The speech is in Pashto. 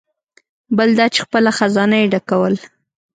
بل دا چې خپله خزانه یې ډکول.